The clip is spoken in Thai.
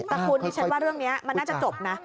แต่คุณดิฉันว่าเรื่องนี้มันน่าจะจบนะ